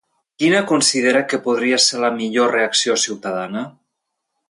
Quina considera que podria ser la millor reacció ciutadana?